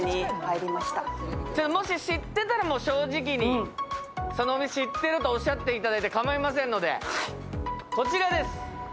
もし知ってたら正直にその店知ってるとおっしゃっていただいて構いませんので。